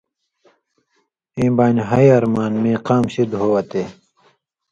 ایں بانیۡ: ہئ ارمان! میں قام شِدیۡ ہو وتے